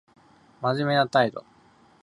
真面目な態度